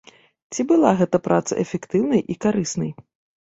Ці была гэтая праца эфектыўнай і карыснай?